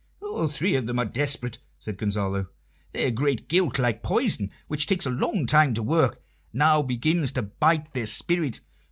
"All three of them are desperate," said Gonzalo. "Their great guilt, like poison which takes a long time to work, now begins to bite their spirit.